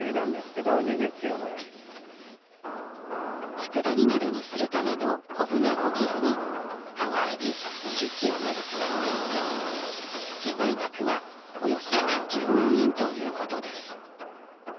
佃煮などにするためのコブナ５ｋｇにカワエビ２０ｋｇがなくなっていて被害額はおよそ１０万ということです。